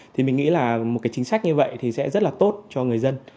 thì mình nghĩ là một cái chính sách như vậy thì sẽ rất là tốt cho người dân